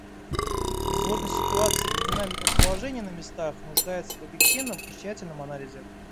Сложность ситуации и динамика положения на местах нуждаются в объективном и тщательном анализе.